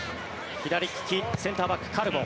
左利き、センターバックカルボ。